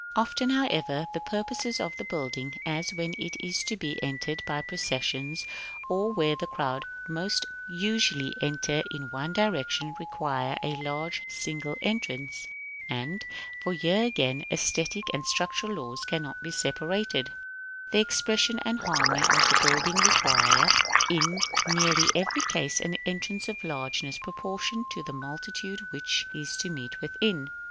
Often, however, the purposes of the building, as when it is to be entered by processions, or where the crowd most usually enter in one direction, require the large single entrance; and (for here again the æsthetic and structural laws cannot be separated) the expression and harmony of the building require, in nearly every case, an entrance of largeness proportioned to the multitude which is to meet within.